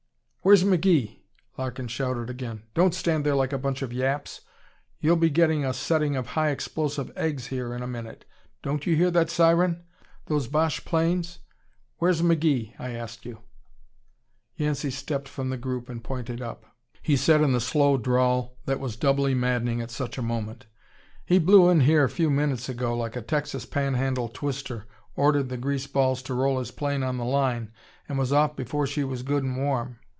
"Where's McGee?" Larkin shouted again. "Don't stand there like a bunch of yaps! You'll be getting a setting of high explosive eggs here in a minute. Don't you hear that siren? Those Boche planes? Where's McGee, I asked you?" Yancey stepped from the group and pointed up. "I reckon that's him up yonder," he said in the slow drawl that was doubly maddening at such a moment. "He blew in here a few minutes ago like a Texas Panhandle twister, ordered the greaseballs to roll his plane on the line, and was off before she was good and warm.